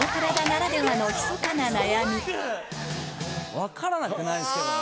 分からなくないですけどね。